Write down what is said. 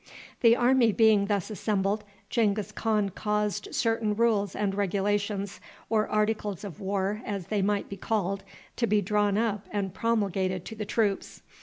The army being thus assembled, Genghis Khan caused certain rules and regulations, or articles of war, as they might be called, to be drawn up and promulgated to the troops.